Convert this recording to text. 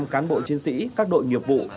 một trăm cán bộ chiến sĩ các đội nghiệp vụ